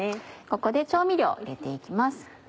ここで調味料を入れて行きます。